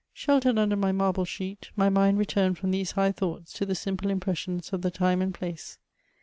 Sheltered under my marble sheet, my mind returned from these high thoughts to the ample impressions of the time and place.